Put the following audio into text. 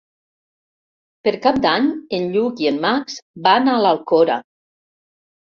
Per Cap d'Any en Lluc i en Max van a l'Alcora.